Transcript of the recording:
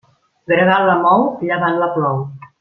Gregal la mou, llevant la plou.